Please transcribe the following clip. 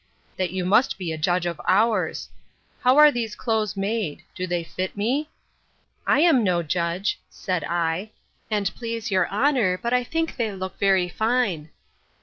that you must be a judge of ours. How are these clothes made? Do they fit me?—I am no judge, said I, and please your honour; but I think they look very fine.